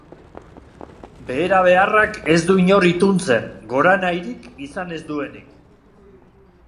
Behera beharrak ez du inor ituntzen, goranahirik izan ez duenik.